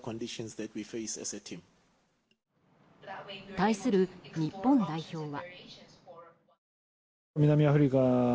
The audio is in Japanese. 対する日本代表は。